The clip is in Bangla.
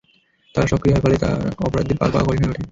তারা সক্রিয় হয়, তার ফলে অপরাধীদের পার পাওয়া কঠিন হয়ে ওঠে।